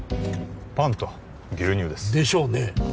パンと牛乳ですでしょうねえ